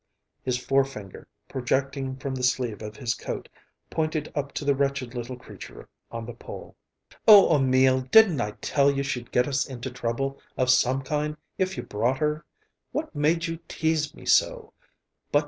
His forefinger, projecting from the sleeve of his coat, pointed up to the wretched little creature on the pole. "Oh, Emil! Didn't I tell you she'd get us into trouble of some kind, if you brought her? What made you tease me so?